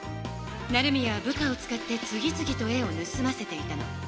成宮は部下を使って次つぎと絵をぬすませていたの。